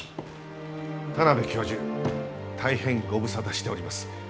田邊教授大変ご無沙汰しております。